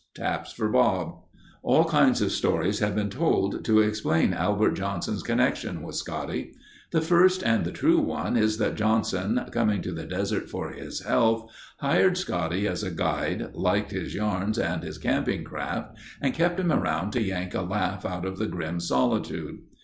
Taps for Bob. All kinds of stories have been told to explain Albert Johnson's connection with Scotty. The first and the true one is that Johnson, coming to the desert for his health, hired Scotty as a guide, liked his yarns and his camping craft and kept him around to yank a laugh out of the grim solitude.